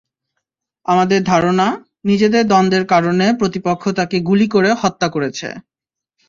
আমাদের ধারণা, নিজেদের দ্বন্দের কারণে প্রতিপক্ষ তাঁকে গুলি করে হত্যা করেছে।